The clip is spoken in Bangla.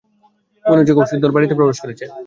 মনে হচ্ছে কৌশলী দল বাড়িতে প্রবেশ করেছে।